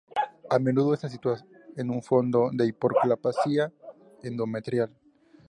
A menudo está situado en un fondo de hiperplasia endometrial.